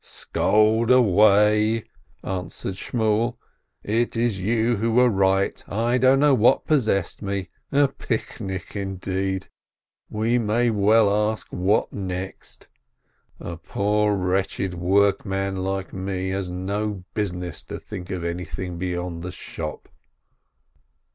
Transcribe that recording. "Scold away !" answered Shmuel. "It is you who were right. I don't know what possessed me. A picnic, indeed! You may well ask what next? A poor wretched workman like me has no business to think of anything beyond the shop."